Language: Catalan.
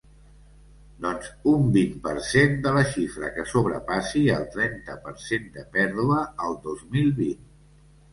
Doncs un vint per cent de la xifra que sobrepassi el trenta per cent de pèrdua el dos mil vint.